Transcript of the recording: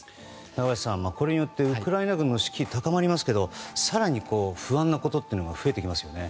中林さん、これによってウクライナ軍の士気は高まりますが更に不安なことは増えてきますよね。